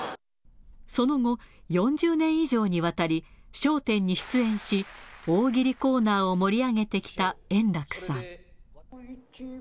その後、４０年以上にわたり、笑点に出演し、大喜利コーナーを盛り上げてきた円楽さん。